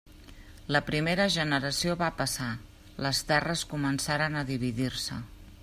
La primera generació va passar; les terres començaren a dividir-se.